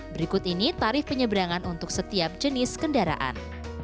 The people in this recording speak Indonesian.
berikut ini tarif penyeberangan untuk setiap jenis kendaraan